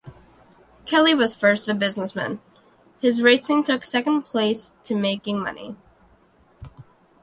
Kelly was first a businessman; his racing took second place to making money.